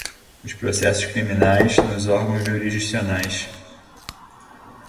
os processos criminais, nos órgãos jurisdicionais